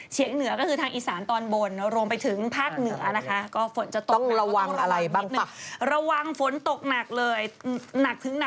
เฉียงเหนือก็คือทางอิสานตอนบนรวมไปถึงภาคเหนือนะคะ